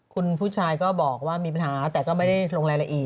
คุณผู้ชายก็บอกว่ามีปัญหาแต่ก็ไม่รังแลเหลี่ย